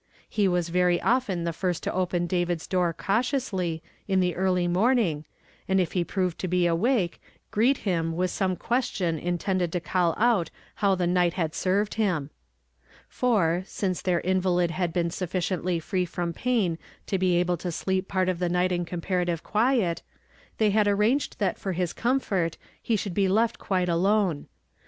I Je was very often the lirst to open David's door cauticmsly, in the early morning, and if ],e proved to be awake, greet lum with some question intended to call out how the night had seived him. For, since their nivahd luul b(>en suHiciently free from pain to be able to sleei, P'lrt of the night in eon)parative quiet, they Imd arranged that for his comfort lie should be left quite alone.